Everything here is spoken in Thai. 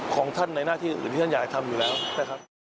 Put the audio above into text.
ของท่านในหน้าที่อื่นที่ท่านอยากทำอยู่แล้วนะครับ